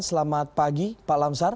selamat pagi pak lamsar